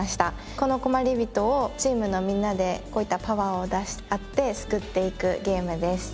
この困りびとをチームのみんなでこういったパワーを出し合って救っていくゲームです。